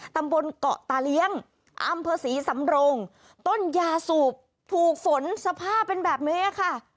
ตำบลเกาะตาเลี้ยงอำเภอศรีสำรงต้นยาสูบถูกฝนสภาพเป็นแบบนี้ค่ะ